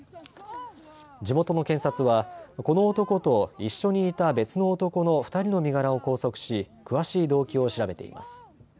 地元の検察は、この男と一緒にいた別の男の２人の身柄を拘束し詳しい動機を調べています。